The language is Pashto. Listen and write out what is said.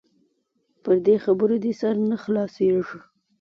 پر دې خبرو دې سر نه خلاصيږي.